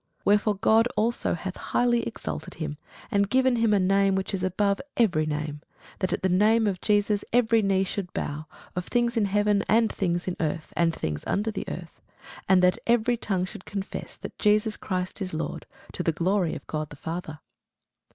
Wherefore God also hath highly exalted him, and given him a name which is above every name: that at the name of Jesus every knee should bow, of things in heaven, and things in earth, and things under the earth; and that every tongue should confess that Jesus Christ is Lord, to the glory of God the Father.